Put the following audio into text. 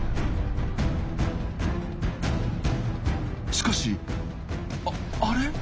しかしあれ？